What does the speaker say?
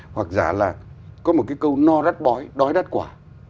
hoặc giả là có một cái câu no rát bói đói rát quả